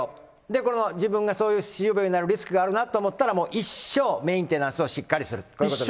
この自分がそういう歯周病になるリスクがあるなと思ったら、一生メンテナンスをしっかりする。